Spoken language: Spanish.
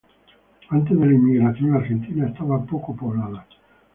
Antes de la inmigración, la Argentina estaba poco poblada.